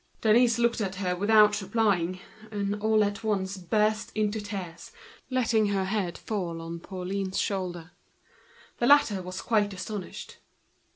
Denise looked at her without replying. All at once she burst into tears, her head on Pauline's shoulder. The latter was quite astonished.